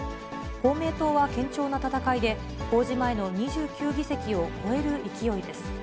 公明党は堅調な戦いで、公示前の２９議席を超える勢いです。